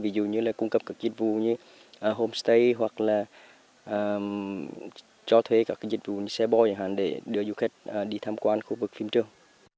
ví dụ như cung cấp các dịch vụ như homestay hoặc là cho thuê các dịch vụ như xe boi để đưa du khách đi thăm quan khu vực phim trường